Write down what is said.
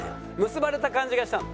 結ばれた感じがしたの？